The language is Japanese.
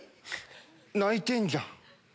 泣いてんじゃん。